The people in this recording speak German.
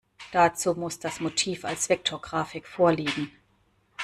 Dazu muss das Motiv als Vektorgrafik vorliegen.